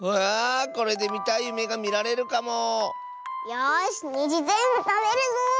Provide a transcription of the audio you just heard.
よしにじぜんぶたべるぞ！